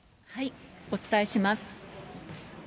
お伝えします。